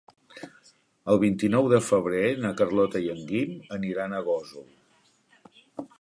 El vint-i-nou de febrer na Carlota i en Guim aniran a Gósol.